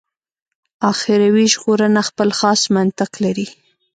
اخروي ژغورنه خپل خاص منطق لري.